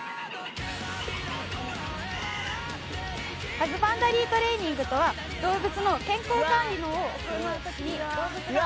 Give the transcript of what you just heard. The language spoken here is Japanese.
ハズバンダリートレーニングとは動物の健康管理を行う時に。